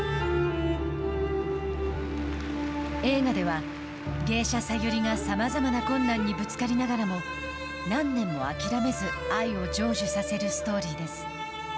映画では芸者ＳＡＹＵＲＩがさまざまな困難にぶつかりながらも何年も諦めず愛を成就させるストーリーです。